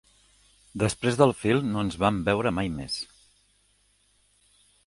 Després del film no ens vam veure mai més.